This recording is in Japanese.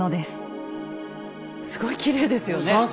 すごいきれいですよね。